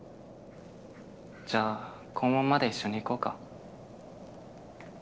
じゃあ校門まで一緒に行こうか。